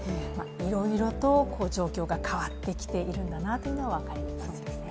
いろいろと状況が変わってきているんだなというのが分かりますよね。